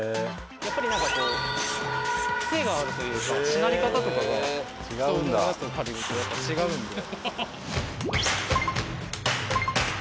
やっぱりなんかこうクセがあるというかしなり方とかが人のやつを借りるとやっぱ違うんで。